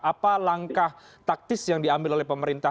apa langkah taktis yang diambil oleh pemerintah